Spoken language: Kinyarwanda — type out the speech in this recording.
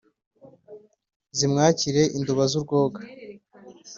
zimwakire induba z'urwoga.